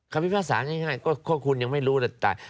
ความพิพัฒร์ศาสตร์ง่ายก็ข้อคุณยังไม่รู้ได้